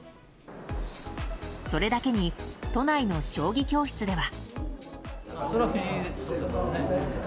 それだけに都内の将棋教室では。